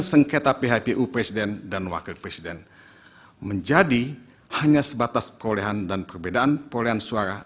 sengketa phpu presiden dan wakil presiden menjadi hanya sebatas perolehan dan perbedaan perolehan suara